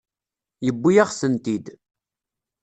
Yewwi-yaɣ-tent-id.